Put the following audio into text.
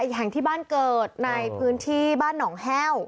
แห่งที่บ้านเกิดในพื้นที่บ้านหนองแห้ว